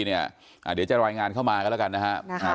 เดี๋ยวจะรายงานเข้ามากันแล้วกันนะครับ